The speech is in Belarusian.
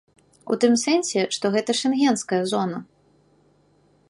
У тым сэнсе, што гэта шэнгенская зона.